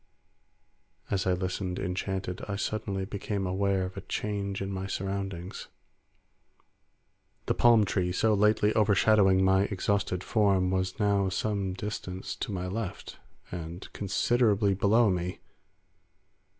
As I listened, enchanted, I suddenly became aware of a change in my surroundings. The palm tree, so lately overshadowing my exhausted form, was now some distance to my left and considerably below me.